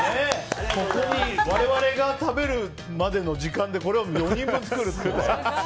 ここに我々が食べるまでの時間でこれを４人分作るって。